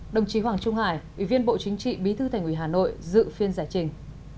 đồng chí hoàng trung hải ủy viên bộ chính trị bí thư thành ủy hà nội dự phiên giải trình